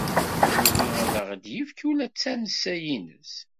Yugi ad aɣ-d-yefk ula d tansa-nnes.